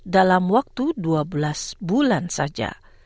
dalam waktu dua belas bulan saja